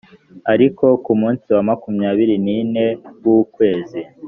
ariko ku munsi wa makumyabiri n ine w ukwezi